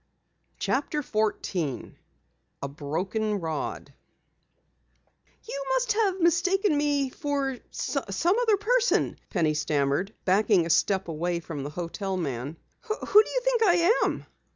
CHAPTER 14 A BROKEN ROD "You must have mistaken me for some other person," Penny stammered, backing a step away from the hotel man. "Who do you think I am?"